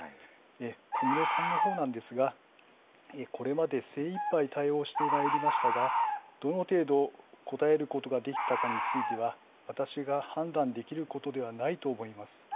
小室さんのほうなんですが、これまで精いっぱい対応してまいりましたが、どの程度、応えることができたかについては、私が判断できることではないと思います。